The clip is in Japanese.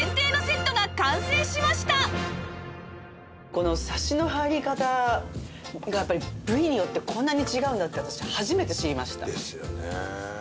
このサシの入り方がやっぱり部位によってこんなに違うんだって私初めて知りました。ですよね。